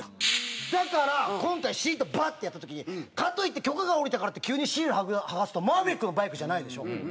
だから今回シートをバッ！ってやった時にかといって許可が下りたからって急にシール剥がすとマーヴェリックのバイクじゃないでしょ？